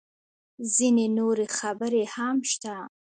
_ځينې نورې خبرې هم شته.